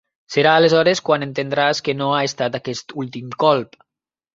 Serà aleshores quan entendràs que no ha estat aquest últim colp.